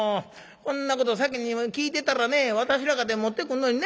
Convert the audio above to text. こんなこと先に聞いてたらね私らかて持ってくんのにね芳っさん」。